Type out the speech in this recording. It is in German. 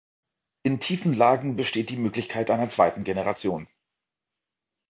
In tiefen Lagen besteht die Möglichkeit einer zweiten Generation.